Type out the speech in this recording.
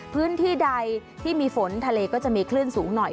พื้นที่ใดที่มีฝนทะเลก็จะมีคลื่นสูงหน่อย